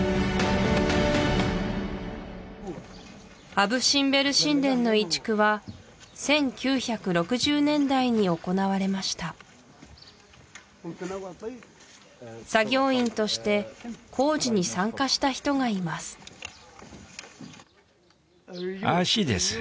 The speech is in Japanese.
アブ・シンベル神殿の移築は１９６０年代に行われました作業員として工事に参加した人がいます脚です